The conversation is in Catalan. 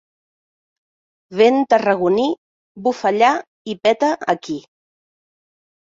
Vent tarragoní, bufa allà i peta aquí.